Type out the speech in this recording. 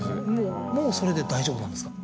もうそれで大丈夫なんですか？